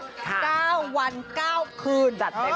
ค่ะจัดเต็มมากส่วน๙วัน๙คืน